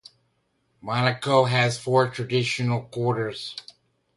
Monaco has four traditional quarters.